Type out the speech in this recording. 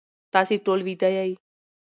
تاسی ټول ویده یی